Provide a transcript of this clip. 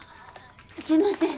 すいません。